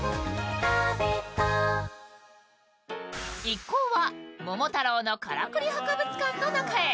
一行は桃太郎のからくり博物館の中へ。